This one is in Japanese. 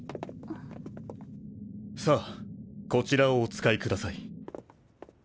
さあこちらをお使いください。